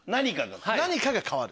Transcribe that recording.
何かが変わる。